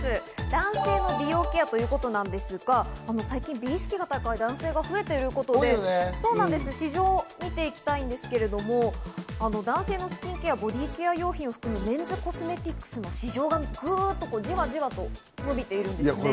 男性の美容ケアということなんですが、最近、美意識が高い男性が増えているんですよね。ということで市場を見ていきたいんですが、男性のスキンケアやボディケア用品を含むメンズコスメティックスの市場がじわじわと伸びているんですね。